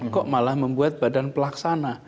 kok malah membuat badan pelaksana